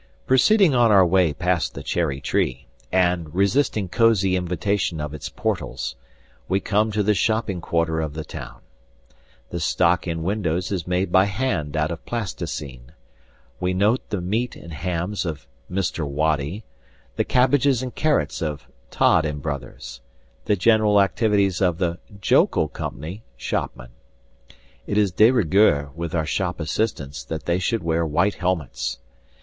Proceeding on our way past the Cherry Tree, and resisting cosy invitation of its portals, we come to the shopping quarter of the town. The stock in windows is made by hand out of plasticine. We note the meat and hams of "Mr. Woddy," the cabbages and carrots of "Tod & Brothers," the general activities of the "Jokil Co." shopmen. It is de rigueur with our shop assistants that they should wear white helmets.